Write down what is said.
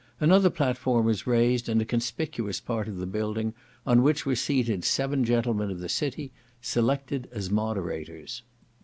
Another platform was raised in a conspicuous part of the building, on which were seated seven gentlemen of the city, selected as moderators.